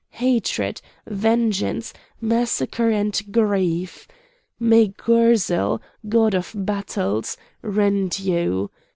Hatred, vengeance, massacre, and grief! May Gurzil, god of battles, rend you!